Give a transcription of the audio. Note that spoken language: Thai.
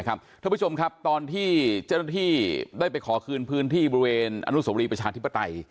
ท่านผู้ชมครับตอนที่เจ้าหน้าที่ได้ไปขอคืนพื้นที่บริเวณอนุสวรีประชาธิปไตย